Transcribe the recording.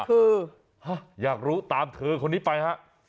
คืออยากรู้ตามเธอคนนี้ไปฮะ